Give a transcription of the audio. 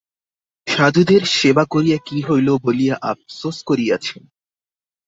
সাধুদের সেবা করিয়া কি হইল বলিয়া আপসোস করিয়াছেন।